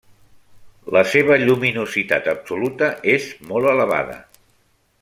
La seva lluminositat absoluta és molt elevada.